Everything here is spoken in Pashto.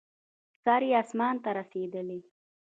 سر یې اسمان ته رسېدلی.